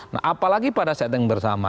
nah apalagi pada saat yang bersama